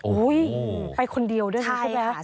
โอ้ยไปคนเดียวด้วยนะครับ